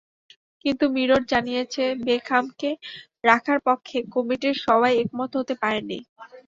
কিন্তু মিরর জানিয়েছে, বেকহামকে রাখার পক্ষে কমিটির সবাই একমত হতে পারেননি।